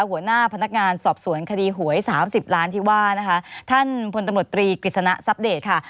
หัวหน้าพนักงานสอบสวนคดีหวยสามสิบล้านที่ว่านะคะท่านพลตำรวจตรีกฤษณะทรัพเดตค่ะ